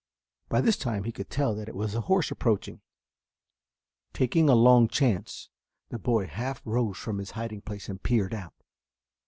By this time he could tell that it was a horse approaching. Taking a long chance the boy half rose from his hiding place and peered out.